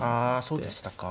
あそうでしたか。